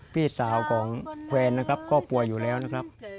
พี่สาวของแควร์นะครับก็ป่วยอยู่แล้วนะครับ